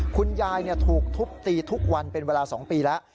คุณยายถูกทุบตีทุกวันเป็นเวลา๒ปีแล้ว